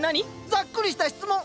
ざっくりした質問！